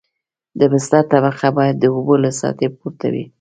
د بستر طبقه باید د اوبو له سطحې پورته وي